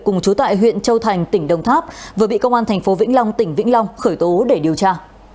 cùng chú tại huyện châu thành tỉnh đông tháp vừa bị công an tp vĩnh long tỉnh vĩnh long khởi tố để điều tra